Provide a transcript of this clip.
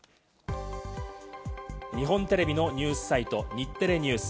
日本テレビのニュースサイト、日テレＮＥＷＳ。